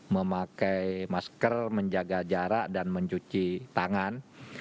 memakai masker menjaga jarak dan mencuci tangan